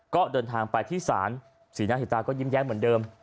ก็เดินทางไปที่ศาลศรีนาหิตาก็ยิ้มแย้มเหมือนเดิม